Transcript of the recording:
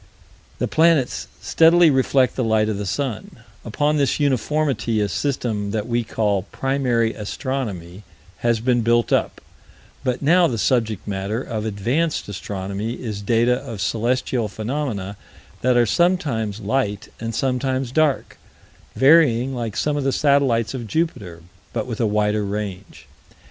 The planets steadily reflect the light of the sun: upon this uniformity a system that we call Primary Astronomy has been built up; but now the subject matter of Advanced Astronomy is data of celestial phenomena that are sometimes light and sometimes dark, varying like some of the satellites of Jupiter, but with a wider range.